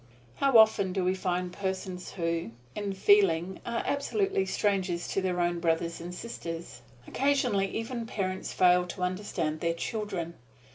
How often do we find persons who, in feeling, are absolutely strangers to their own brothers and sisters! Occasionally even parents fail to understand their children.